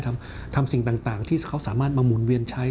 ทำสิ่งต่างที่เขาสามารถมาหมุนเวียนใช้